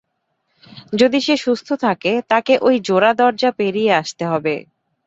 যদি সে সুস্থ থাকে, তাকে ওই জোড়া দরজা পেরিয়ে আসতে হবে।